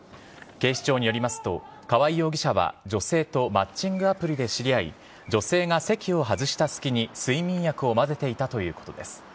警視庁によりますと、河合容疑者は女性とマッチングアプリで知り合い、女性が席を外した隙に睡眠薬を混ぜていたということです。